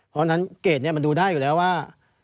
เพราะฉะนั้นเกรดนี้มันดูได้อยู่แล้วว่า